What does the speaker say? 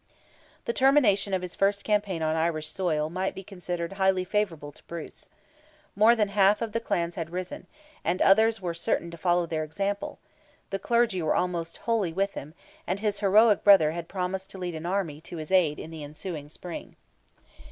This termination of his first campaign on Irish soil might be considered highly favourable to Bruce. More than half the clans had risen, and others were certain to follow their example; the clergy were almost wholly with him; and his heroic brother had promised to lead an army to his aid in the ensuing spring.